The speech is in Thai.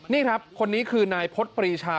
นี่ครับคนนี้คือนายพฤษปรีชา